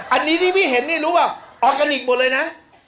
อันนี้ที่พี่เห็นนี่รู้ป่ะออร์แกนิคหมดเลยนะ